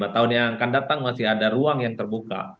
lima tahun yang akan datang masih ada ruang yang terbuka